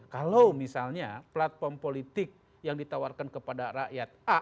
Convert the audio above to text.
kalau misalnya platform politik yang ditawarkan kepada rakyat a